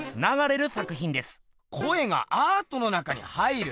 声がアートの中に入る？